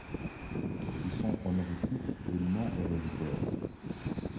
Ils sont honorifiques et non héréditaires.